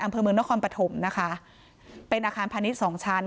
อำเภอเมืองนครปฐมนะคะเป็นอาคารพาณิชย์สองชั้น